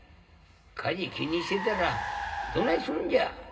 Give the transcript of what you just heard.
「火事気にしてたらどないするんじゃ？